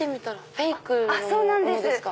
フェイクのものですか？